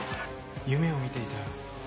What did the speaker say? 夢を見ていたよ。